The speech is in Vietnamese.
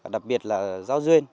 đặc biệt là giao duyên